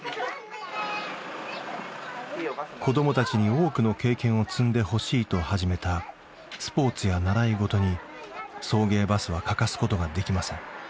子どもたちに多くの経験を積んでほしいと始めたスポーツや習い事に送迎バスは欠かすことができません。